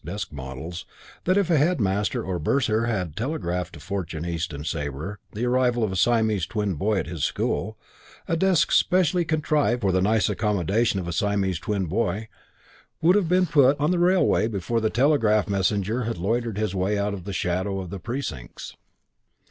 desk models that, if a headmaster or bursar had telegraphed to Fortune, East and Sabre the arrival of a Siamese twin boy at his school, a desk specially contrived for the nice accommodation of a Siamese twin boy would have been put on the railway before the telegraph messenger had loitered his way out of the shadow of The Precincts.